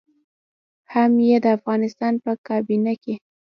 هم يې د افغانستان په کابينه کې.